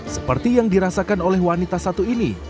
seperti yang dirasakan oleh wanita satu ini